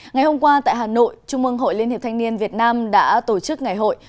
ngày hôm qua tại hà nội trung mương hội liên hiệp thanh niên việt nam đã tổ chức ngày hội